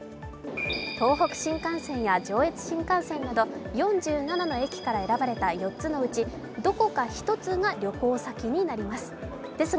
東北新幹線や上越新幹線など４７の駅から選ばれた４つのうちどこか１つが旅行先になります。